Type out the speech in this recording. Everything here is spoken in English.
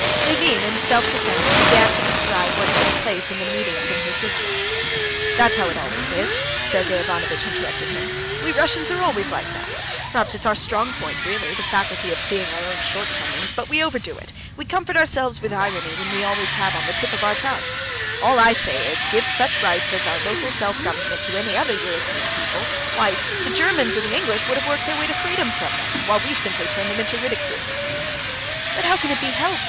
Levin in self defense began to describe what took place in the meetings in his district. "That's how it always is!" Sergey Ivanovitch interrupted him. "We Russians are always like that. Perhaps it's our strong point, really, the faculty of seeing our own shortcomings; but we overdo it, we comfort ourselves with irony which we always have on the tip of our tongues. All I say is, give such rights as our local self government to any other European people—why, the Germans or the English would have worked their way to freedom from them, while we simply turn them into ridicule." "But how can it be helped?"